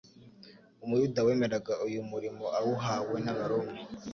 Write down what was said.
Umuyuda wemeraga uyu murimo awuhawe n'abaroma,